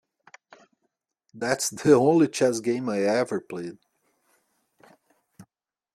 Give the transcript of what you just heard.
That's the only chess game I ever played.